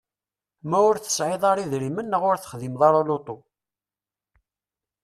Ma ur tesɛiḍ ara idrimen neɣ ur texdimeḍ ara lutu.